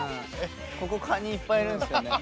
ここカニいっぱいいるんすよね。